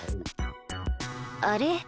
あれ？